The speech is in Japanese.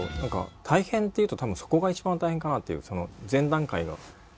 大変っていうと多分そこが一番大変かなっていうその前段階が。